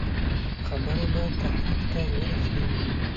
خبره به تحریف ته ورسېږي.